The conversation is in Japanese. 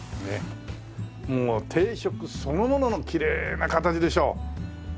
もう定食そのもののきれいな形でしょ。